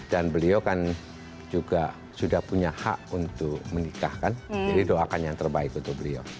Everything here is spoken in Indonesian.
dan beliau kan juga sudah punya hak untuk menikah kan jadi doakan yang terbaik untuk beliau